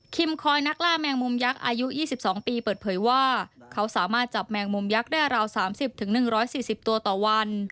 คอยนักล่าแมงมุมยักษ์อายุ๒๒ปีเปิดเผยว่าเขาสามารถจับแมงมุมยักษ์ได้ราว๓๐๑๔๐ตัวต่อวัน